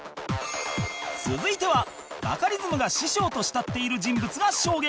続いてはバカリズムが師匠と慕っている人物が証言